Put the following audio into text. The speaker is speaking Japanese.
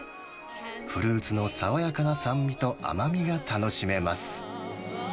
フルーツの爽やかな酸味と甘みが楽しめます。